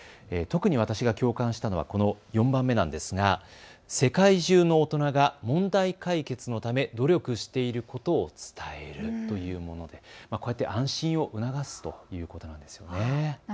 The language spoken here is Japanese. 特に私が共感したのは４番目なんですが世界中の大人が問題解決のため努力していることを伝えるというもので安心を促すということなんですよね。